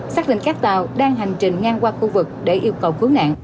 xác định các tàu đang hành trình ngang qua khu vực để yêu cầu cứu nạn